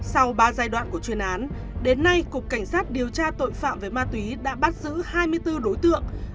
sau ba giai đoạn của chuyên án đến nay cục cảnh sát điều tra tội phạm về ma túy đã bắt giữ hai mươi bốn đối tượng